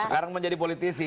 sekarang menjadi politisi